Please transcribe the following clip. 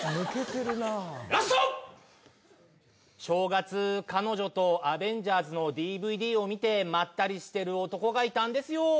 正月彼女と『アベンジャーズ』のＤＶＤを見てまったりしてる男がいたんですよ。